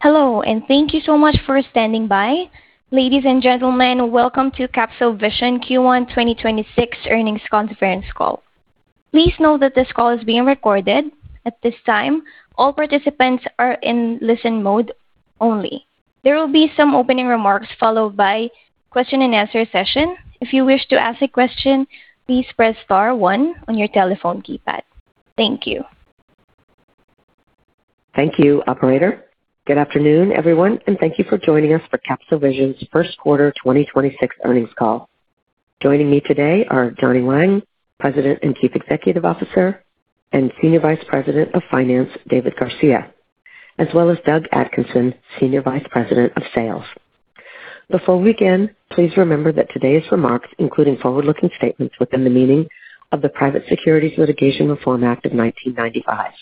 Hello, and thank you so much for standing by. Ladies and gentlemen, welcome to CapsoVision Q1 2026 earnings conference call. Please note that this call is being recorded. At this time, all participants are in listen-mode only. There will be some opening remarks followed by question and answer session. If you wish to ask a question please press star one on your telephone keypad. Thank you. Thank you, operator. Good afternoon, everyone, and thank you for joining us for CapsoVision's first quarter 2026 earnings call. Joining me today are Johnny Wang, President and Chief Executive Officer, and Senior Vice President of Finance, David Garcia, as well as Doug Atkinson, Senior Vice President of Sales. Before we begin, please remember that today's remarks, including forward-looking statements within the meaning of the Private Securities Litigation Reform Act of 1995.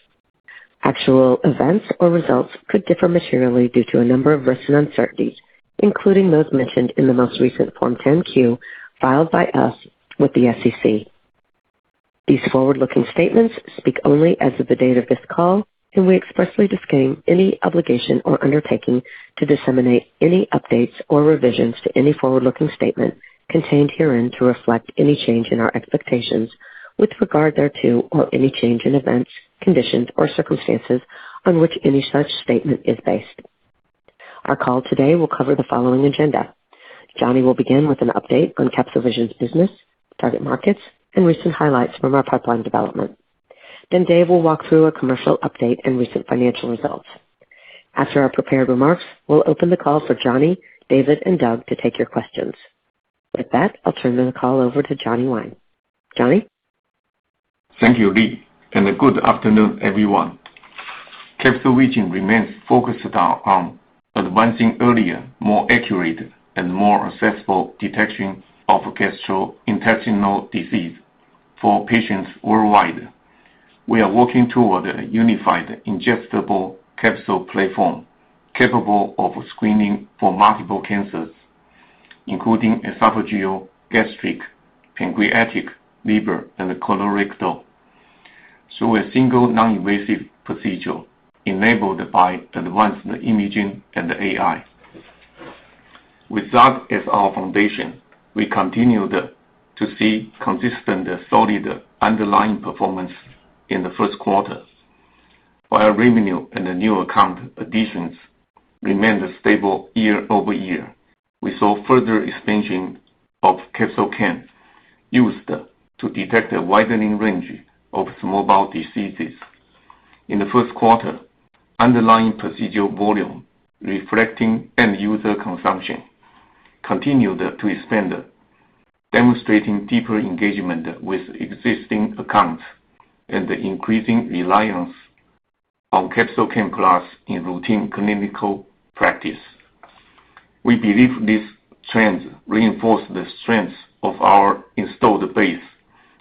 Actual events or results could differ materially due to a number of risks and uncertainties, including those mentioned in the most recent Form 10-Q filed by us with the SEC. These forward-looking statements speak only as of the date of this call, and we expressly disclaim any obligation or undertaking to disseminate any updates or revisions to any forward-looking statement contained herein to reflect any change in our expectations with regard thereto or any change in events, conditions, or circumstances on which any such statement is based. Our call today will cover the following agenda. Johnny will begin with an update on CapsoVision's business, target markets, and recent highlights from our pipeline development. David will walk through a commercial update and recent financial results. After our prepared remarks, we'll open the call for Johnny, David, and Doug to take your questions. With that, I'll turn the call over to Johnny Wang. Johnny? Thank you, Leigh, and good afternoon, everyone. CapsoVision remains focused on advancing earlier, more accurate, and more accessible detection of gastrointestinal disease for patients worldwide. We are working toward a unified ingestible capsule platform capable of screening for multiple cancers, including esophageal, gastric, pancreatic, liver, and colorectal through a single non-invasive procedure enabled by advanced imaging and AI. With that as our foundation, we continued to see consistent solid underlying performance in the first quarter. While revenue and the new account additions remained stable year-over-year, we saw further expansion of CapsoCam used to detect a widening range of small bowel diseases. In the first quarter, underlying procedural volume reflecting end user consumption continued to expand, demonstrating deeper engagement with existing accounts and increasing reliance on CapsoCam Plus in routine clinical practice. We believe this trend reinforces the strength of our installed base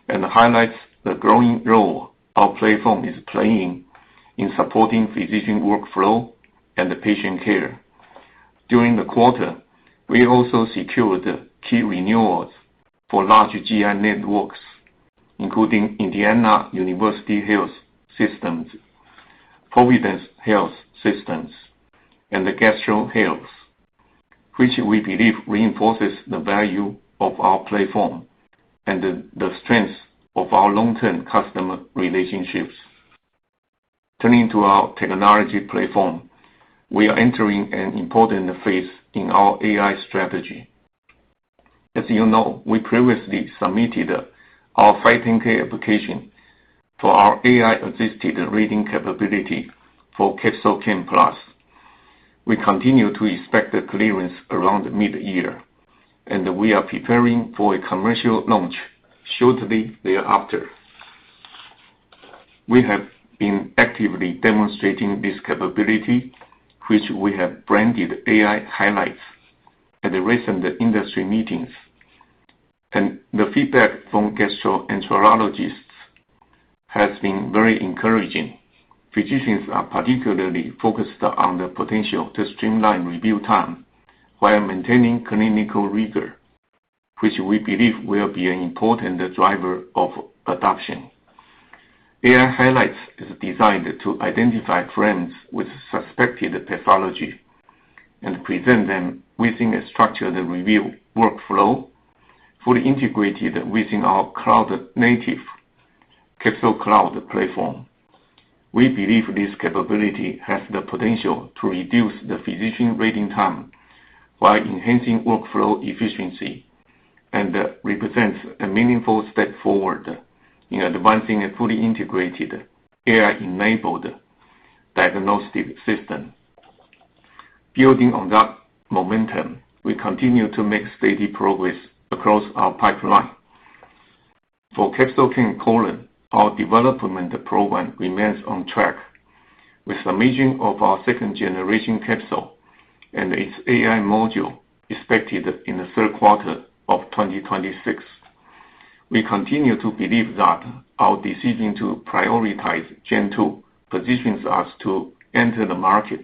and highlights the growing role our platform is playing in supporting physician workflow and patient care. During the quarter, we also secured key renewals for large GI networks, including Indiana University Health, Providence Health & Services, and Gastro Health, which we believe reinforces the value of our platform and the strength of our long-term customer relationships. Turning to our technology platform, we are entering an important phase in our AI strategy. As you know, we previously submitted our 510(k) application for our AI-assisted reading capability for CapsoCam Plus. We continue to expect the clearance around mid-year, and we are preparing for a commercial launch shortly thereafter. We have been actively demonstrating this capability, which we have branded AI Highlights, at the recent industry meetings, and the feedback from gastroenterologists has been very encouraging. Physicians are particularly focused on the potential to streamline review time while maintaining clinical rigor, which we believe will be an important driver of adoption. AI Highlights is designed to identify frames with suspected pathology and present them within a structured review workflow, fully integrated within our cloud-native CapsoCloud platform. We believe this capability has the potential to reduce the physician reading time while enhancing workflow efficiency and represents a meaningful step forward in advancing a fully integrated AI-enabled diagnostic system. Building on that momentum, we continue to make steady progress across our pipeline. For CapsoCam Colon, our development program remains on track with submission of our second-generation capsule and its AI module expected in the third quarter of 2026. We continue to believe that our decision to prioritize gen two positions us to enter the market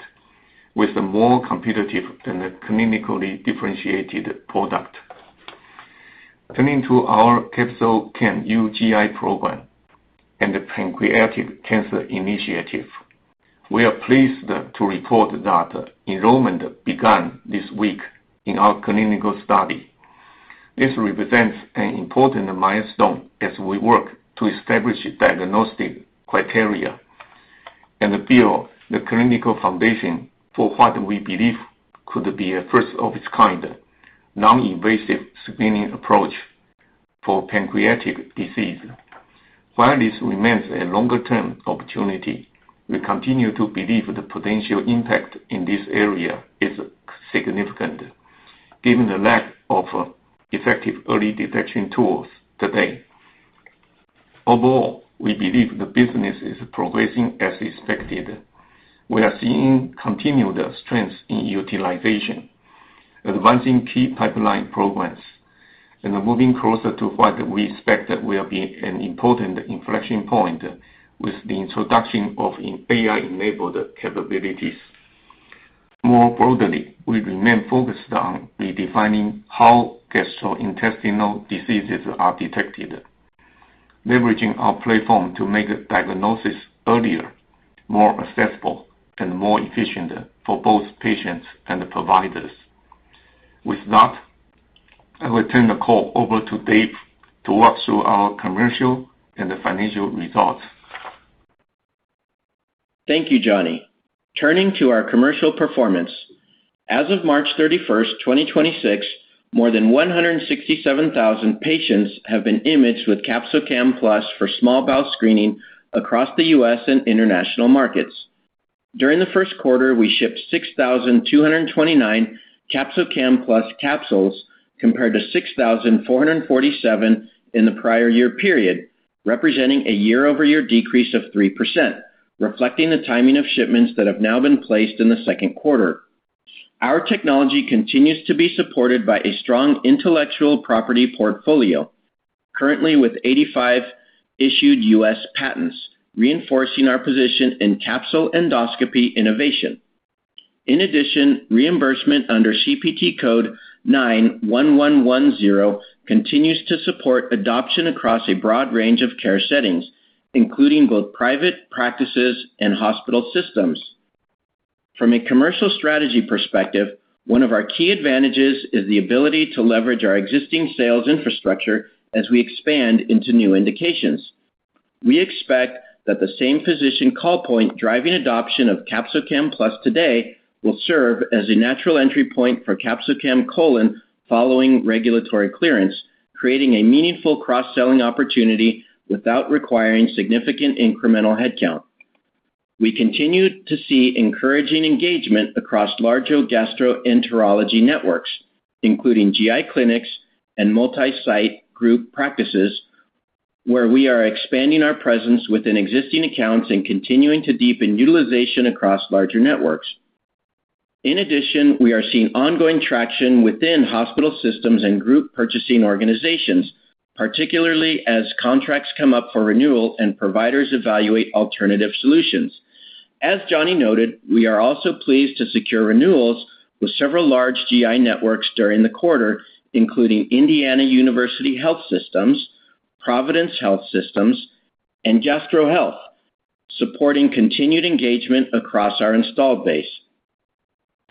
with a more competitive and clinically differentiated product. Turning to our CapsoCam UGI Program and the pancreatic cancer initiative. We are pleased to report that enrollment began this week in our clinical study. This represents an important milestone as we work to establish diagnostic criteria and build the clinical foundation for what we believe could be a first of its kind, non-invasive screening approach for pancreatic disease. While this remains a longer-term opportunity, we continue to believe the potential impact in this area is significant given the lack of effective early detection tools today. Overall, we believe the business is progressing as expected. We are seeing continued strength in utilization, advancing key pipeline programs, and are moving closer to what we expect will be an important inflection point with the introduction of AI-enabled capabilities. More broadly, we remain focused on redefining how gastrointestinal diseases are detected, leveraging our platform to make diagnosis earlier, more accessible, and more efficient for both patients and providers. With that, I will turn the call over to Dave to walk through our commercial and financial results. Thank you, Johnny. Turning to our commercial performance. As of March 31st, 2026, more than 167,000 patients have been imaged with CapsoCam Plus for small bowel screening across the U.S. and international markets. During the first quarter, we shipped 6,229 CapsoCam Plus capsules compared to 6,447 in the prior year period, representing a year-over-year decrease of 3%, reflecting the timing of shipments that have now been placed in the second quarter. Our technology continues to be supported by a strong intellectual property portfolio, currently with 85 issued U.S. patents, reinforcing our position in capsule endoscopy innovation. In addition, reimbursement under CPT Code 91110 continues to support adoption across a broad range of care settings, including both private practices and hospital systems. From a commercial strategy perspective, one of our key advantages is the ability to leverage our existing sales infrastructure as we expand into new indications. We expect that the same physician call point driving adoption of CapsoCam Plus today will serve as a natural entry point for CapsoCam Colon following regulatory clearance, creating a meaningful cross-selling opportunity without requiring significant incremental headcount. We continue to see encouraging engagement across larger gastroenterology networks, including GI clinics and multi-site group practices, where we are expanding our presence within existing accounts and continuing to deepen utilization across larger networks. We are seeing ongoing traction within hospital systems and group purchasing organizations, particularly as contracts come up for renewal and providers evaluate alternative solutions. As Johnny noted, we are also pleased to secure renewals with several large GI networks during the quarter, including Indiana University Health, Providence Health & Services, and Gastro Health, supporting continued engagement across our installed base.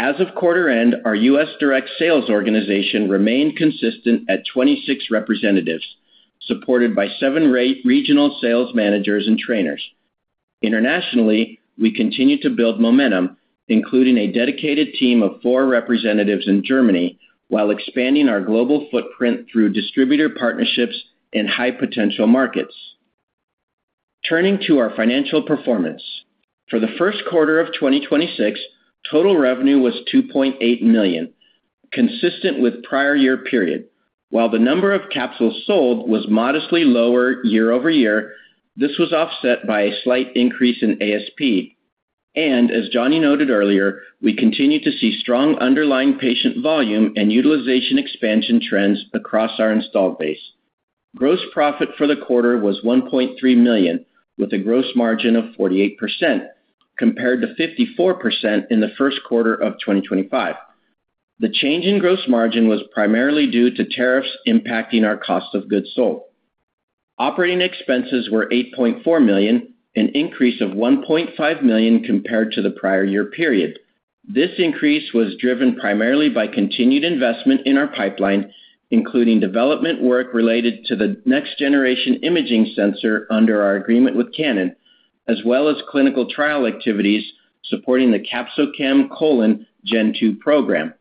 As of quarter end, our U.S. direct sales organization remained consistent at 26 representatives, supported by seven regional sales managers and trainers. Internationally, we continue to build momentum, including a dedicated team of four representatives in Germany, while expanding our global footprint through distributor partnerships in high-potential markets. Turning to our financial performance. For the first quarter of 2026, total revenue was $2.8 million, consistent with prior year period. While the number of capsules sold was modestly lower year-over-year, this was offset by a slight increase in ASP. As Johnny noted earlier, we continue to see strong underlying patient volume and utilization expansion trends across our installed base. Gross profit for the quarter was $1.3 million with a gross margin of 48%, compared to 54% in the first quarter of 2025. The change in gross margin was primarily due to tariffs impacting our cost of goods sold. Operating expenses were $8.4 million, an increase of $1.5 million compared to the prior year period. This increase was driven primarily by continued investment in our pipeline, including development work related to the next-generation imaging sensor under our agreement with Canon, as well as clinical trial activities supporting the CapsoCam Colon Gen Two program.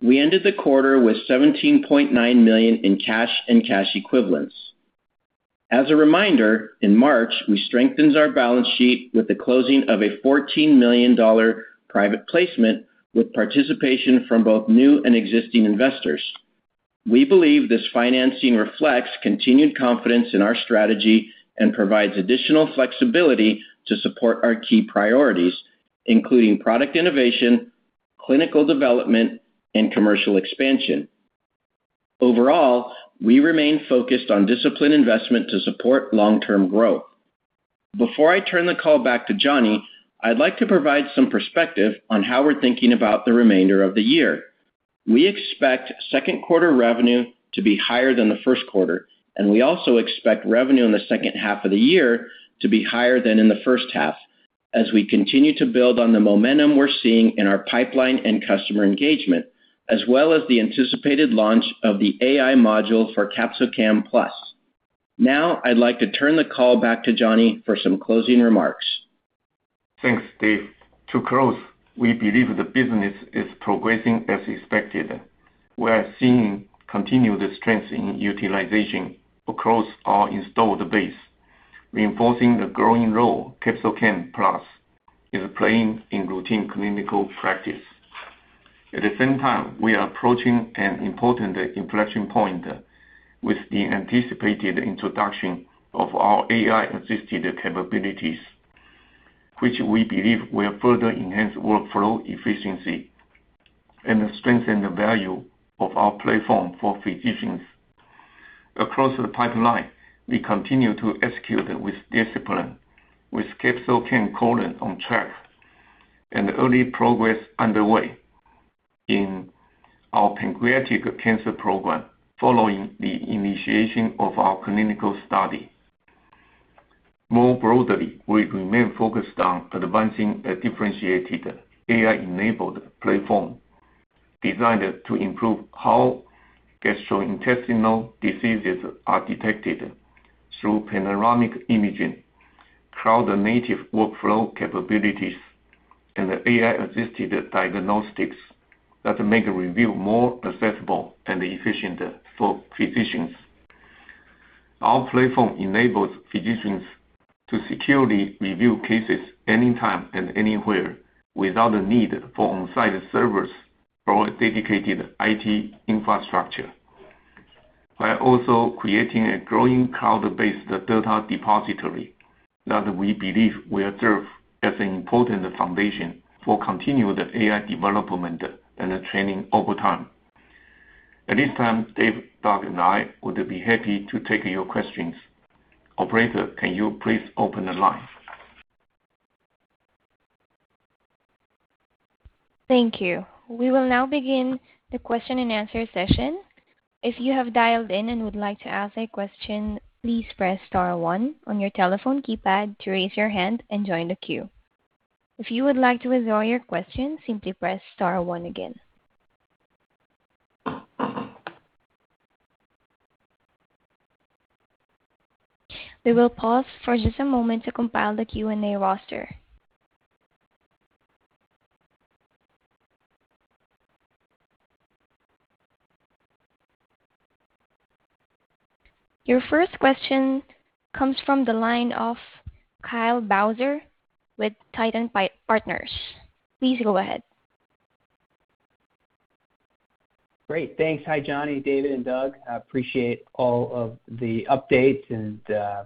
We ended the quarter with $17.9 million in cash and cash equivalents. As a reminder, in March, we strengthened our balance sheet with the closing of a $14 million private placement with participation from both new and existing investors. We believe this financing reflects continued confidence in our strategy and provides additional flexibility to support our key priorities, including product innovation, clinical development, and commercial expansion. Overall, we remain focused on disciplined investment to support long-term growth. Before I turn the call back to Johnny, I'd like to provide some perspective on how we're thinking about the remainder of the year. We expect second quarter revenue to be higher than the first quarter, and we also expect revenue in the second half of the year to be higher than in the first half as we continue to build on the momentum we're seeing in our pipeline and customer engagement, as well as the anticipated launch of the AI module for CapsoCam Plus. Now, I'd like to turn the call back to Johnny for some closing remarks. Thanks, Dave. To close, we believe the business is progressing as expected. We are seeing continued strength in utilization across our installed base, reinforcing the growing role CapsoCam Plus is playing in routine clinical practice. At the same time, we are approaching an important inflection point with the anticipated introduction of our AI-assisted capabilities, which we believe will further enhance workflow efficiency and strengthen the value of our platform for physicians. Across the pipeline, we continue to execute with discipline with CapsoCam Colon on track and early progress underway in our pancreatic cancer program following the initiation of our clinical study. More broadly, we remain focused on advancing a differentiated AI-enabled platform designed to improve how gastrointestinal diseases are detected through panoramic imaging, cloud-native workflow capabilities, and AI-assisted diagnostics that make review more accessible and efficient for physicians. Our platform enables physicians to securely review cases anytime and anywhere without the need for on-site servers or a dedicated IT infrastructure. We're also creating a growing cloud-based data depository that we believe will serve as an important foundation for continued AI development and training over time. At this time, Dave, Doug, and I would be happy to take your questions. Operator, can you please open the line? Thank you. We will now begin the question-and-answer session. If you have dialed in and would like to ask a question, please press star one on your telephone keypad to raise your hand and join the queue. If you would like to withdraw your question, simply press star one again. We will pause for just a moment to compile the Q&A roster. Your first question comes from the line of Kyle Bauser with Titan Partners. Please go ahead. Great. Thanks. Hi, Johnny, David, and Doug. I appreciate all of the updates and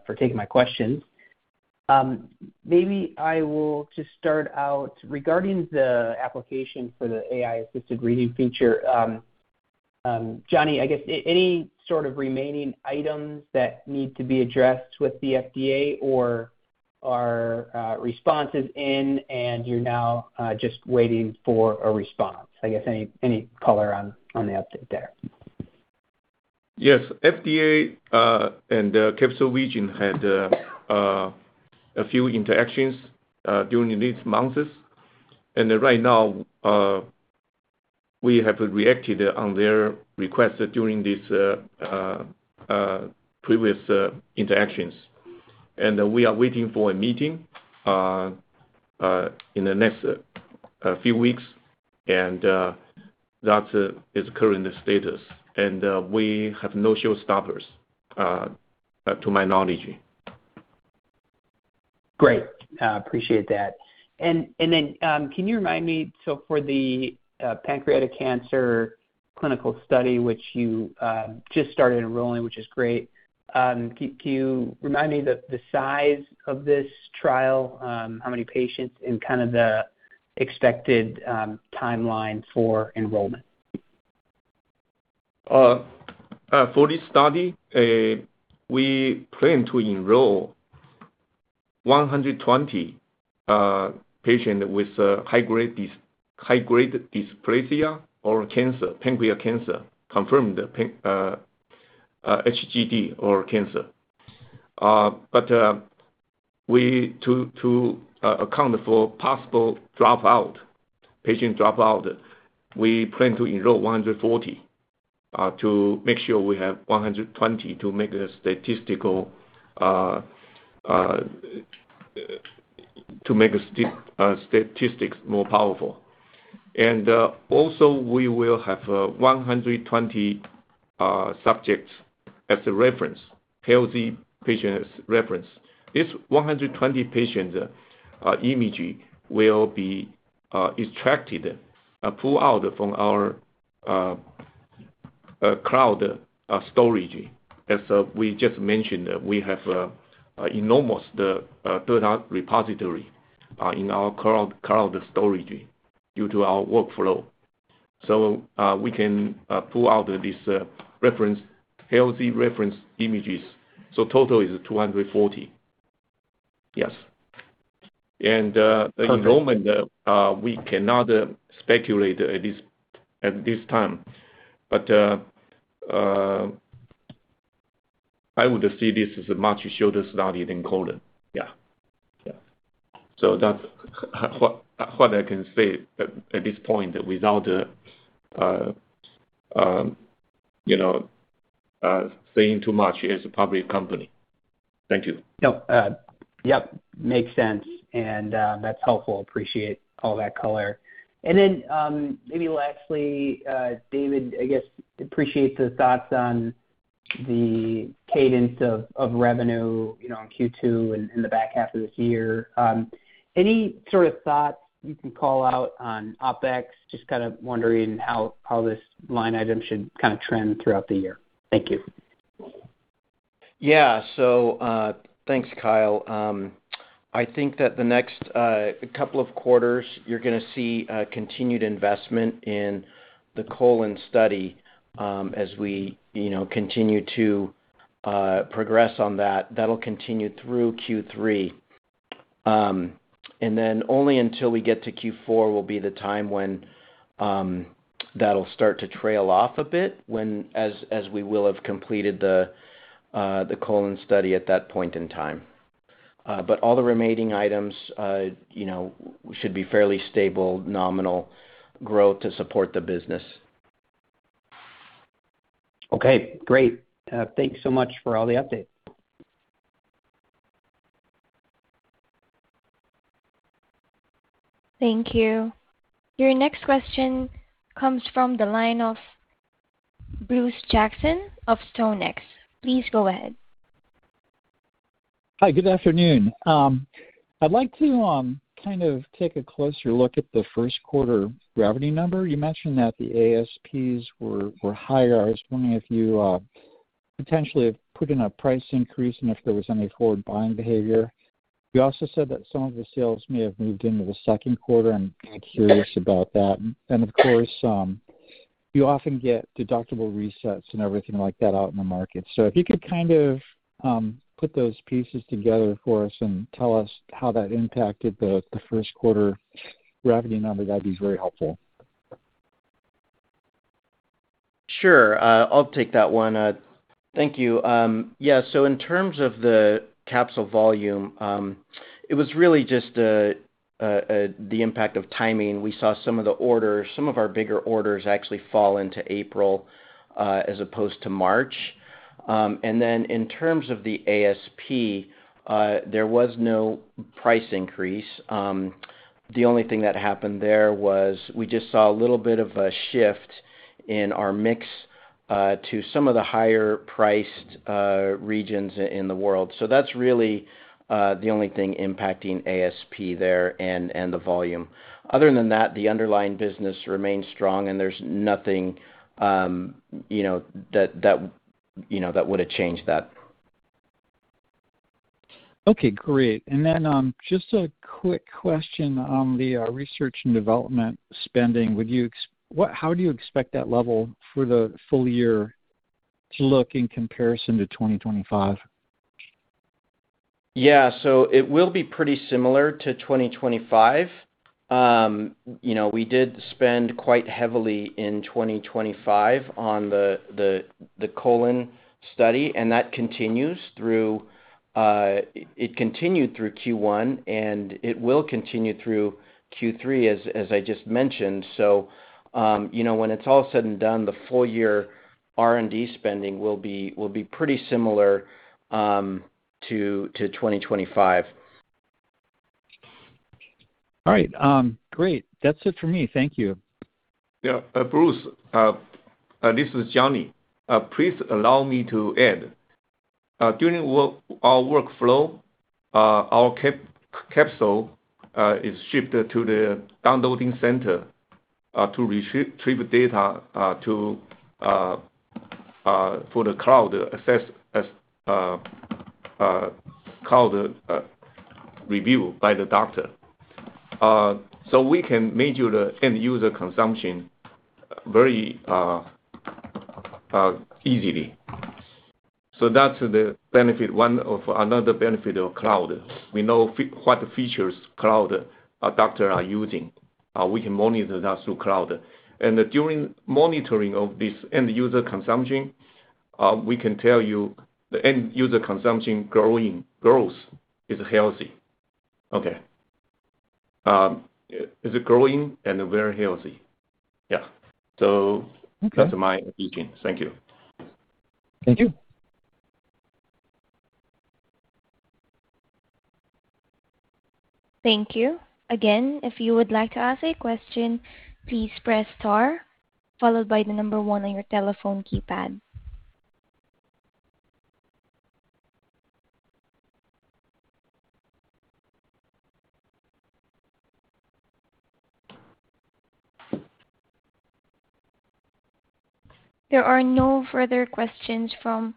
for taking my questions. Maybe I will just start out regarding the application for the AI-assisted reading feature. Johnny, I guess any sort of remaining items that need to be addressed with the FDA or are responses in and you're now just waiting for a response? I guess any color on the update there. Yes. FDA and CapsoVision had a few interactions during these months. Right now, we have reacted on their request during these previous interactions. We are waiting for a meeting in the next few weeks. That's its current status. We have no showstoppers to my knowledge. Great. Appreciate that. Can you remind me, so for the pancreatic cancer clinical study, which you just started enrolling, which is great, can you remind me the size of this trial, how many patients and kind of the expected timeline for enrollment? For this study, we plan to enroll 120 patient with high-grade dysplasia or cancer, pancreatic cancer, confirmed HGD or cancer. We account for possible dropout, patient dropout, we plan to enroll 140 to make sure we have 120 to make statistics more powerful. Also, we will have 120 subjects as a reference, healthy patients reference. This 120 patients imagery will be extracted, pulled out from our cloud storage. As we just mentioned, we have enormous data repository in our cloud storage due to our workflow. We can pull out this reference, healthy reference images. Total is 240. Yes. Enrollment, we cannot speculate at this time. I would see this as a much shorter study than colon. Yeah. Yeah. That's what I can say at this point without, you know, saying too much as a public company. Thank you. No, yep. Makes sense. That's helpful. Appreciate all that color. Then, maybe lastly, David, I guess appreciate the thoughts on the cadence of revenue, you know, on Q2 and the back half of this year. Any sort of thoughts you can call out on OpEx? Just kinda wondering how this line item should kinda trend throughout the year. Thank you. Yeah. Thanks, Kyle. I think that the next couple of quarters, you're gonna see continued investment in the colon study, as we, you know, continue to progress on that. That'll continue through Q3. Only until we get to Q4 will be the time when that'll start to trail off a bit when as we will have completed the colon study at that point in time. All the remaining items, you know, should be fairly stable, nominal growth to support the business. Okay, great. thanks so much for all the updates. Thank you. Your next question comes from the line of Bruce Jackson of StoneX. Please go ahead. Hi, good afternoon. I'd like to kind of take a closer look at the first quarter revenue number. You mentioned that the ASPs were higher. I was wondering if you potentially have put in a price increase and if there was any forward buying behavior. You also said that some of the sales may have moved into the second quarter. I'm kind of curious about that. Of course, you often get deductible resets and everything like that out in the market. If you could kind of put those pieces together for us and tell us how that impacted the first quarter revenue number, that'd be very helpful. Sure. I'll take that one. Thank you. In terms of the capsule volume, it was really just the impact of timing. We saw some of the orders, some of our bigger orders actually fall into April, as opposed to March. In terms of the ASP, there was no price increase. The only thing that happened there was we just saw a little bit of a shift in our mix, to some of the higher priced regions in the world. That's really the only thing impacting ASP there and the volume. Other than that, the underlying business remains strong, and there's nothing, you know, that, you know, that would have changed that. Okay, great. Just a quick question on the research and development spending. How do you expect that level for the full year to look in comparison to 2025? Yeah. It will be pretty similar to 2025. You know, we did spend quite heavily in 2025 on the colon study, and that continues through, it continued through Q1, and it will continue through Q3, as I just mentioned. You know, when it's all said and done, the full year R&D spending will be pretty similar to 2025. All right. great. That's it for me. Thank you. Bruce, this is Johnny. Please allow me to add. During our workflow, our capsule is shipped to the downloading center to retrieve data for the Cloud review by the doctor. We can measure the end user consumption very easily. That's another benefit of Cloud. We know what features Cloud doctor are using. We can monitor that through Cloud. During monitoring of this end user consumption, we can tell you the end user consumption growing growth is healthy. Okay. Is growing and very healthy. Yeah. Okay. That's my opinion. Thank you. Thank you. Thank you. Again, if you would like to ask a question, please press star followed by the number one on your telephone keypad. There are no further questions from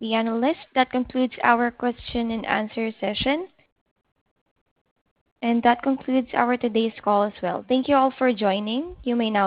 the analyst. That concludes our question and answer session. That concludes our today's call as well. Thank you all for joining. You may now disconnect.